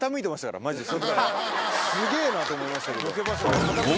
すげぇなと思いましたけど。